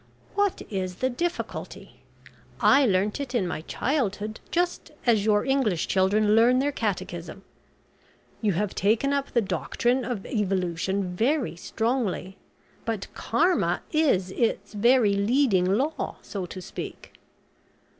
What is the difficulty? I learnt it in my childhood just as your English children learn their catechism. You have taken up the doctrine of Evolution very strongly, but Karma is its very leading law, so to speak.